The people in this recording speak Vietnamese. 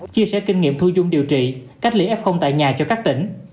chia sẻ kinh nghiệm thu dung điều trị cách ly f tại nhà cho các tỉnh